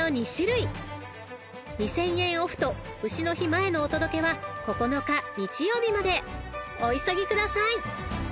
［２，０００円オフと丑の日前のお届けは９日日曜日までお急ぎください］